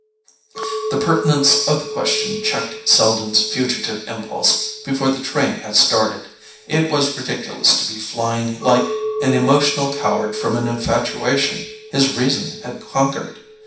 The pertinence of the question checked Selden's fugitive impulse before the train had started. It was ridiculous to be flying like an emotional coward from an infatuation his reason had conquered.